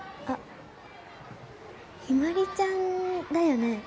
あっヒマリちゃんだよね？